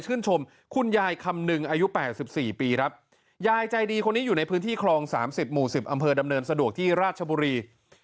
คุณยายคำนึงอายุ๘๔ปีครับยายใจดีคนนี้อยู่ในพื้นที่คลอง๓๐หมู่๑๐อำเภอดำเนินสะดวกที่ราชบุรี